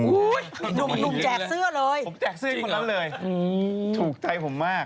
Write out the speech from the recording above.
หนุ่มแจกเสื้อเลยจริงหรอถูกใจผมมาก